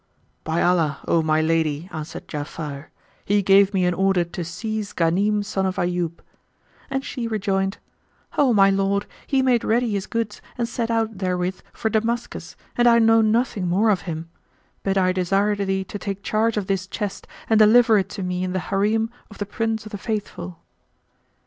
''[FN#122] "By Allah, O my lady," answered Ja'afar, "he gave me an order to seize Ghanim son of Ayyub;" and she rejoined, "O my lord, he made ready his goods and set out therewith for Damascus and I know nothing more of him; but I desire thee take charge of this chest and deliver it to me in the Harim of the Prince of the Faithful."